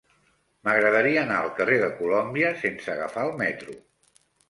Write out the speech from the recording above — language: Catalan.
M'agradaria anar al carrer de Colòmbia sense agafar el metro.